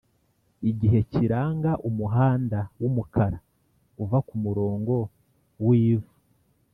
igihe kiranga umuhanda wumukara uva kumurongo w ivu,